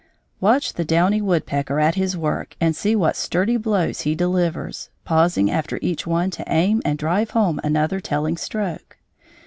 Watch the downy woodpecker at his work and see what sturdy blows he delivers, pausing after each one to aim and drive home another telling stroke.